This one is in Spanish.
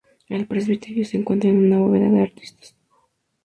En el presbiterio se encuentra una bóveda de aristas.